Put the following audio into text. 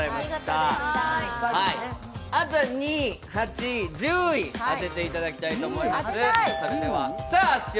あとは２位、８位、１０位、当てていただきたいと思います。